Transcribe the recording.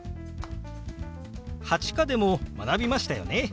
８課でも学びましたよね。